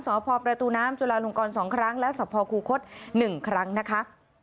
สพประตูน้ำจุลาลงกร๒ครั้งและสภคูคศ๑ครั้งนะคะ